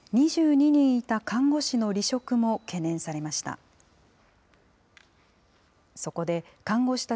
２２人いた看護師の離職も懸念されました。